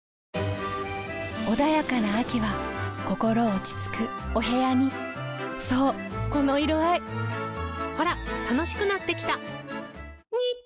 穏やかな秋は心落ち着くお部屋にそうこの色合いほら楽しくなってきた！